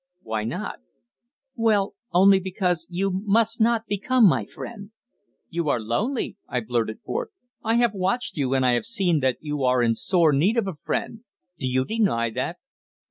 "Why not?" "Well only because you must not become my friend." "You are lonely," I blurted forth. "I have watched you, and I have seen that you are in sore need of a friend. Do you deny that?"